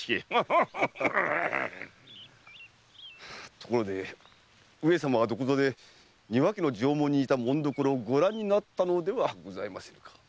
ところで上様はどこぞで丹羽家の定紋に似た紋所をご覧になったのではございませんか？